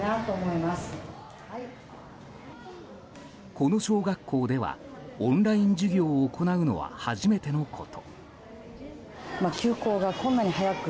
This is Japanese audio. この小学校ではオンライン授業を行うのは初めてのこと。